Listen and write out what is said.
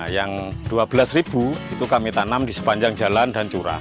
yang dua belas itu kami tanam di sepanjang jalan dan curah